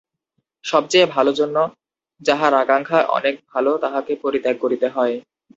সবচেয়ে ভালো জন্য যাহার আকাঙক্ষা, অনেক ভালো তাহাকে পরিত্যাগ করিতে হয়।